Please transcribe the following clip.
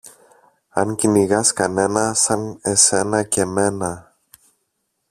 Αν κυνηγάς κανένα σαν εσένα και μένα